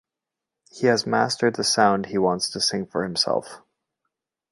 He has mastered the sound he wants to sing for himself.